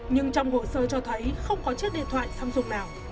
nhưng trong hồ sơ cho thấy không có chiếc điện thoại samsung nào